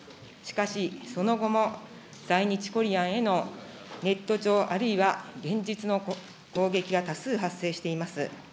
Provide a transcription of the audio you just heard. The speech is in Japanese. しかし、その後も在日コリアンへのネット上、あるいは連日の攻撃が多数発生しております。